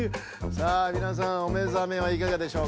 さあみなさんおめざめはいかがでしょうか？